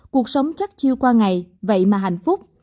cuộc sống chắc chưa qua ngày vậy mà hạnh phúc